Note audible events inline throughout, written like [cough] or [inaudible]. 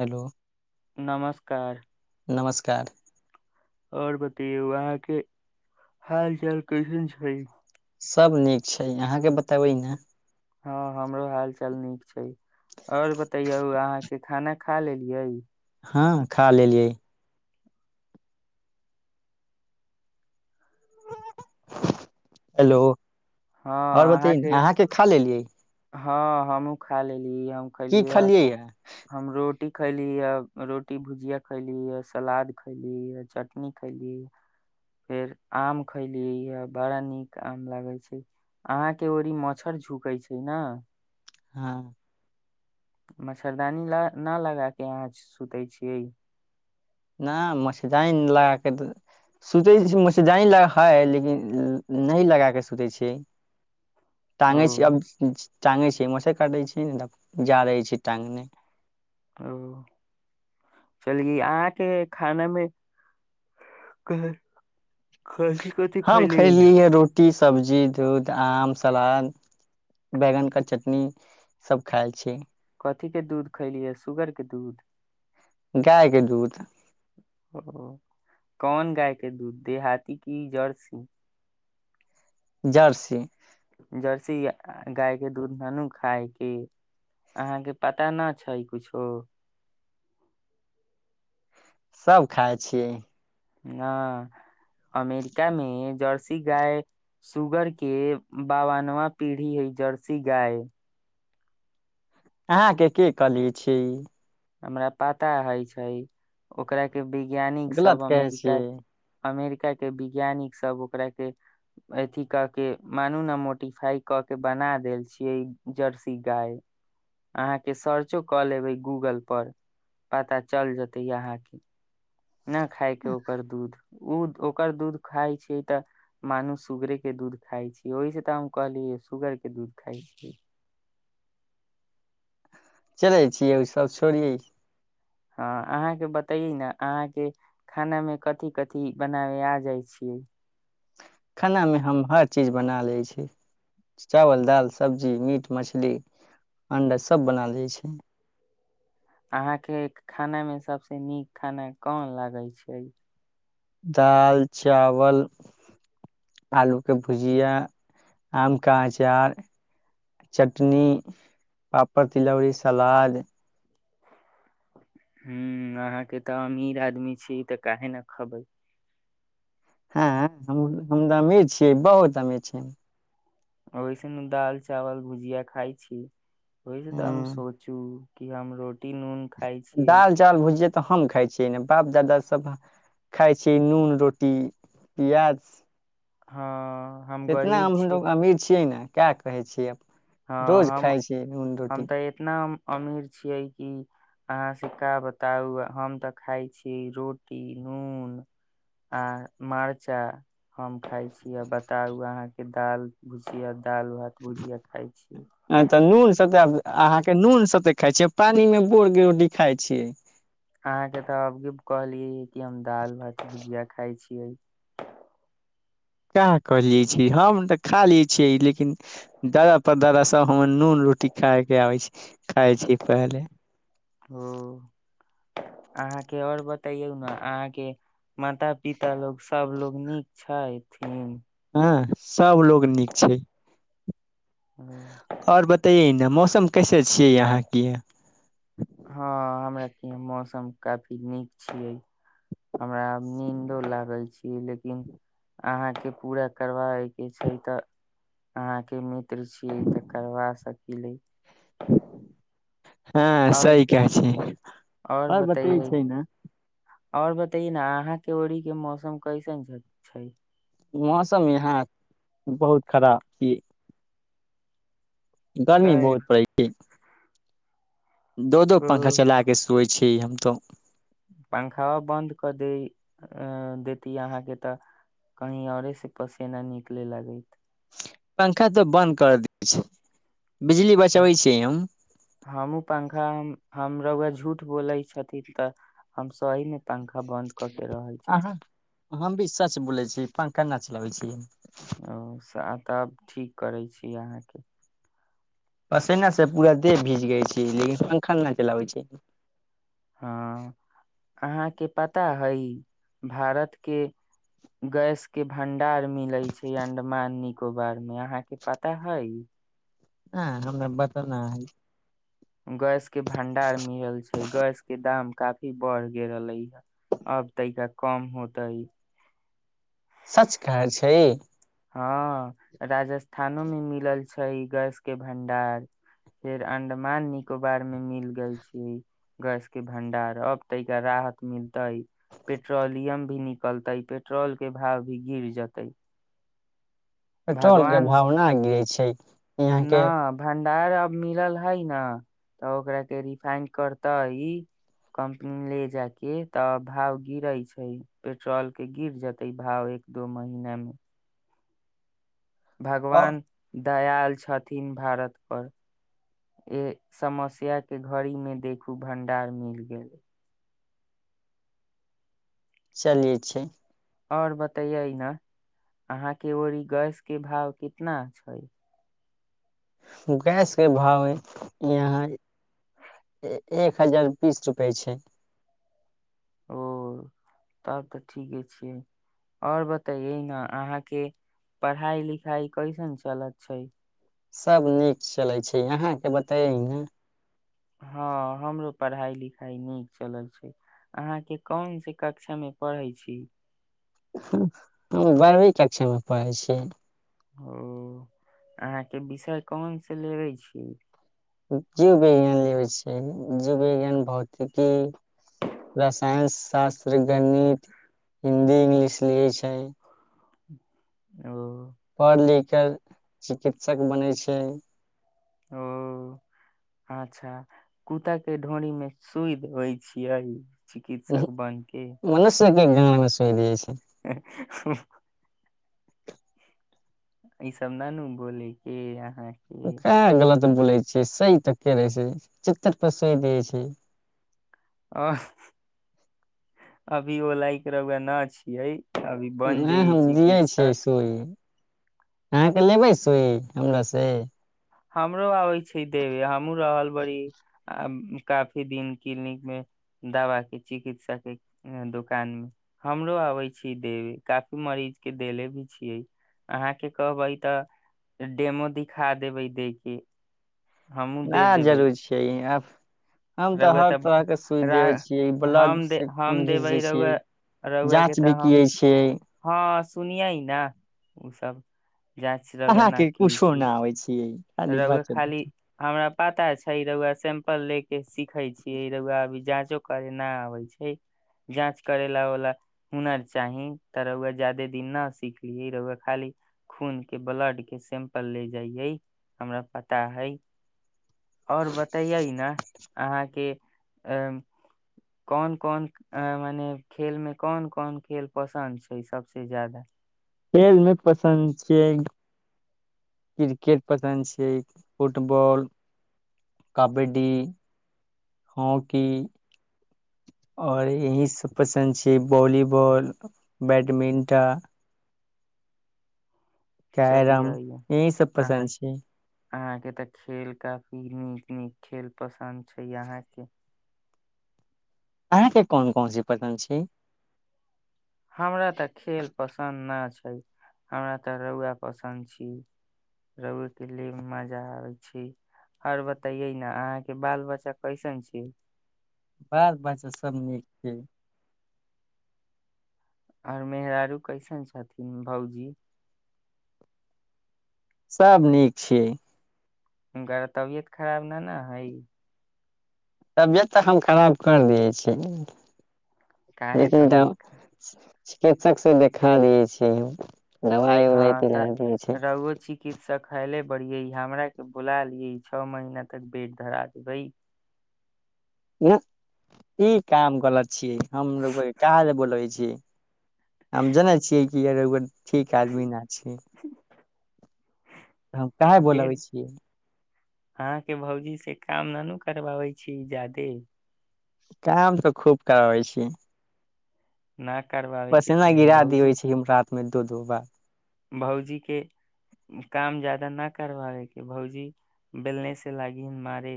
hello नमस्कार नमस्कार आओर बतए वहाँ के हाल चाल कसन छै सभ नीक छै अहाँके बतेबै ने हँ हमरो हाल चाल नीक छै आओर बतैयौ अहाँके खाना खा लेलियै हँ खा लेलियै हेलो आओर बते अहाँके खा लेलियै हँ हमहुँ खा लेली ई हम की कलियए खलियै य हम रोड रोटी खैली ये रोटी भुजियाा खैली ये सलाद खैली ये चटनी खैली फेर आम खैली ये बड़ा नीक आम लागे छै अहाँके ओड़ी मच्छर झुकैत छै ने हँ मच्छरदानी ल नहि लगा कऽ अहाँ सुतै छियै नहि मछदइन लगा कऽ त सुचै छै मछदइ ल हइ लेकिन नहि लगा कऽ सुोचै छ ओ टगै छी अब टाँंगै छै मस काटै छै ने तऽ जा रहै छै टाँगने ओ चली अहाँके खानामे हम खयलिय है रोटी सब्जी दूध आम सलाद बैगनके चटनी सब खाइ छी अथथि के दूध खैलियै सुगर के दूध गाय क द तऽ ओ कोौन गाय के दूध देहााती की जर्सी जर्सी आ गाय के दूध ननू खाायके अहाँके पता न छै कछो सब खाइ छियै ह अमेरिका मे जर्सी गाय सुुगर के बावानवा पीढ़ी है जर्सी गाय अह के के कलिय छै हमरा पता हय छै ओकरा के बि गलत वैज्ञानिकसभ कहै छियै अमेरिकाक अमेरिका के वैज्ञानिक सब ओकरा के अथी क के मानू ने मोडिफाई क के बना देल छीिये जर्सी गाय अहााँ के सर्चो क लेबे गूगल पर पता चल जेतै य अहाँके न खाायके ओकर दूध ओ ओकर दूध खाइ छै तऽ मानू सुूगरेके दूध खाइ छै ओहिसँ तऽ हम कहलियै शूगरके दूध खाइ छियै चलै छिय ओ सब छोड़िये हँ अहाँके बतइै ने अहाँके खानामे कथिी कथिी बनाबे आ जाइ छियै खानामे हम हर चीज बना लैत छी चावल दालि सब्जी मीट मछली अण्डा सभ बना लैत छी अहाँके खानामे सभसँ नीक खाना कोन लागै छै दाल चावल आलू के भुजिया आम का अचार चटनी पापड़ तिलौड़री सलाद ह अहाँके तऽ अमीर आदमी छी ई तऽ काहे ने खबै हँ हम अमीर छियै बहुत अमीर छियै ओहिसन दाल चावल भुजिया खाइ छी ओहि छै तऽ आ सोचु कि हमरो दालि चावल भुजियै तऽ हम खाइ छियै बाप दादा सब खााय छै नून रोटी पियाज हँ हम एतना आ गरीब छी हमलोग अमीर छियै ने कए कहै छियै हँ रोज हम खााय छै नून हम रोटी तऽ इतना हम अमीर छियै कि अहाँ से का बताउ हम तऽ खाइ छीै रोटी नून आ मर्चा हम खाइ छी आ बताउ अहाँके ाल भुसिया दाल भात भुजी आ तऽ नून स अहाँके नू कोन साे खाइ छिय पानि मे बोर गडी खााय छिय अहाँके तऽ अबी कहली किी हम दाल भात भुजिआ खाइ छियै कहाँ कहलिय छी हम तऽ खा ले छियै लेकिन दादा पर दादा सब हमर नून रोटी खााय के आबै छै खााय छै पहिले ओ अहाँके आओर बतैयौ ने अहाँके माता पिता लोग सबलोग नीक छैथिन ह सब लोग नीक छै हँ आओर बताइ मौसम कैसे छियै यहाँके हँ हमरा य मौसम काफी नीक छियै हमरा नीन्दो लागल छीियै लेकिन अहाँके पूरा करवाबे के छै तऽ अहाँके मि छी तकरबास इलै [inaudible] हँ आओर सह कह छै आओर आर बतै बतैयै छै ने आओर बतयए न अहााँ के ओड़ी के मौसम कैसन छै मौसम यहाँ बहुत खराब थिये गर्मी काहे बहुत पड़ै छै दो दो पंखा चला के सुअइ छी छी हम तोऽ पंखाबा बन्द कऽ दे देती अहाँके तऽ कही आउरे सँ पसिना निकलेय लागैत पंखा तऽ बन्द कर देबै छी बिजली बचाबै छिये हम हमू पंखा हम हम रौआ झूठ बोलै छथिन तऽ हम सही मे पंखा बंद क के रहे छी आ हम भी सच बोलै छी पंखा ना चलाबै छियै ओ सा- तब ठीक करैत छी अहाँके पसेनासँ पूरा देह भीज गइ छै लेकिन पंखा नइ चलाबै छिये हँ अहाँके पता हइ भारत के गैस के भंडार मिलै छै अंडमान निकोबार मे अहाँके पता हइ ना हमरा बता न हई गैस के भंडारार मिलल छै गैस के दाम काफी बढ़ गेल रहलै ह अब तैका कम होतै सच कहै छै इ हँ राजस्थानो मे मिलल छै गैस के भंडार फेर अंडमान निकोबार मे मिल गेल छै गैस के भंडार अब तइका राहत मिलतै पेट्रोलियम भी निकलतै पेट्रोल के भाव भी गिर जतै पेट्रोल के भाव ना गिरै छै ई हाँके न भंडार अब मिलल हई न तऽ ओकरा के रिफाइंड करतइ कम्पनी ले जाय के तऽ भाव गिरे छै पेट्रोल कऽ गिर जते भाव एक दो महीना मे ओ भगवान दयाल छथिन भारत पर ए समस्या के घड़ी मे देखू भंडार मिल गेल चलिये छै ओर बतैयै ने अहाँके ओड़ि गैस के भाव कितना छै गैसके भाव यहाँ एक हजार बीस रुपए छै ओ तब तऽ ठीके छियै आओर बतैयै ने अहाँके पढ़ाइ लिखाइ कैसन चलत छै सभ नीक चलै छै अहाँके बताई न हँ हमरो पढ़ाइ लिखाइ नीक चलल छै अहाँके कोन से कक्षामे पड़है छी हम बारबी कक्षामे पढ़ै छियै ओ अहाँके विषय कोन सँ लेबे छी जीव विज्ञान लेवैेै छिये जीव विज्ञान भौतिकी रसायन शास्त्र गणित हिन्दी इंगलिश लियै छै ओ पढ़ लिख कर चिकित्सक बनै छै ओ अच्छा कुत्ता के ढोरी मे सुइ देबै छियै चिकित्सक बन के मनस क ज क द छै [unintelligible] [unintelligible] ई सब नानू बोल के अहाँ ओ कहाँ गलत बोलै छै सही तऽ रहै छै पचहतर परसेन्ट त यहि छै ओह अभी ओ लइक रउआ न छियै अभी बन ह जइये हम जियै छियै चिकित्सक सुइ अहाँके लेबै सुइ हमर से हमरो आबै छै देवे हम रा अलबारी आ काफी दिन क्लिनिक मे दवा के चिकित्सा के दकान मे हमरो अबे छी देबे काफी मरीज के देले भी छियै अहााँ के कहबै तऽ डेमो दिखा देबे जे कि न जरूर छैिय अ आ हम तऽ हर तरह के सुइ रा देै छियै ब्लड हम दे से खून हम घिच देबै दै छियै रउआ रउआ जाँच भी कै छियै सुनिय ह न ओ सब जाँच हाँ के कुशो नहि अबै छिय रुआ खाली हमरा पता छै रुआ सें्पल ले के सिखे छीियै ई रुआ भ जाँचो करे न आवे छै जाँच करे ला वाला हुनर चाही ते रुआ जादे दिन न सिखलिये रुआ खाली खून के ब्लड के सें्पल ले जाये हमरा पता हइ आओर बतैयै ने अहाँके अ कोन कोन मने खेलमे कोन कोन खेल पसन्द छै सभसँ जादा खेलमे पसन्द छियै क्रिकेट पसन्द छियै फुटबॉल कबड्डी हॉकी आओर यहीसभ पसन्द छियै वॉलीबॉल बैडमिंटन चलिय कैरम यही सब अहाँ पसन्द छै अहााँके तऽ खेल काफी नीक नीक खेल पसन्द छै अहाँके अहाँके कोन कोनस पत्ग छी हमरा तऽ खेल पसन्द नहि छै हमरा तऽ रौआ पसन्द छी रहुएके लिए मजा आबै छै आओर बतैे ने अहाँके बाल बच्चा कैसन छै बात बात सब नीक छै आओर मेहारू कैसन छथिन भउजी सभ नीक छीिय हनकर तबियत खराब न ने हइ तबियत तऽ हम खराब करि दियै छियै काहे लेकिन तबियत तऽ चिकित्सक से देखा दियै छिय हम दवइ लैती ल छै खायले बड़िये हमरा के बुला लिये छओ महीना तक बेट धरा देबै ह ई काम कल छीिय हम काह ले बोलै छीै हम जनै छियै किर ठीक आदमी नहि छै हम काह बोलबै छियै अहाँके भौजी से काम न नू करबाबै छी ज्यादे काम तऽ खूब कराबै छी न करवाबेके चाही देबै भहुजी छियै हम रात मे दू दू बार भहुजी के काम जाते न करवाबे के भउजी बेलने से लागी हन मारे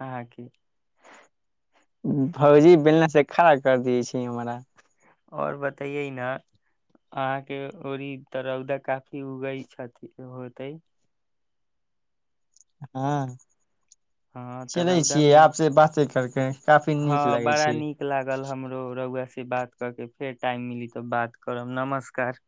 अहााँके भौजी बेलने से खड़ा कर दिय छी हमराा ओर बतैये न अहााँके त रौदा काफी उगई छथि होते हँ हँ तऽ चलै रौदा छियै मे आपस बाते करके हुँ हँ बड़ा नीक लागल हमरो रहुआ से बात कऽ के फेर टाइम मिली तऽ बात करब नमस्कार